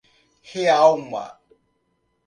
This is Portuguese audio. Rialma